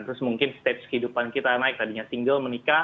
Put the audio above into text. terus mungkin stage kehidupan kita naik tadinya single menikah